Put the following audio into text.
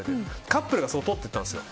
カップルがそこを通っていったんですよ。